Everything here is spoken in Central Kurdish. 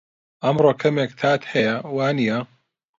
ئەمڕۆ کەمێک تات هەیە، وانییە؟